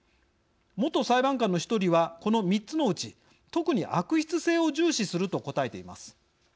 元裁判官の一人はこの３つのうち特に悪質性を重視すると答えています。